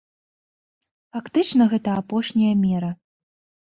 Фактычна, гэта апошняя мера.